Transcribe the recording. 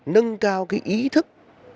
nâng cao cái ý thức